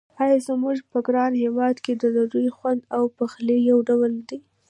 آیا زموږ په ګران هېواد کې د ډوډۍ خوند او پخلی یو ډول دی.